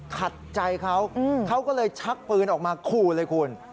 ขัดใจเขาเขาก็เลยชักปืนออกมาขู่เลยคุณ